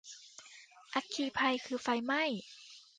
อัคคีภัย คือไฟไหม้